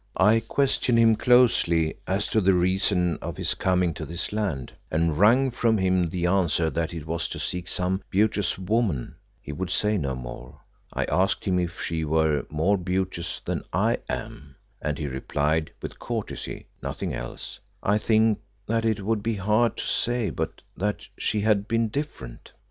"I questioned him closely as to the reason of his coming to this land, and wrung from him the answer that it was to seek some beauteous woman he would say no more. I asked him if she were more beauteous than I am, and he replied with courtesy nothing else, I think that it would be hard to say, but that she had been different.